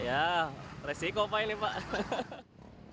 ya resiko pak ini pak